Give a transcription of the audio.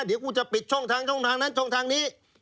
เดี๋ยวกูจะปิดช่องทางช่องทางนั้นช่องทางนี้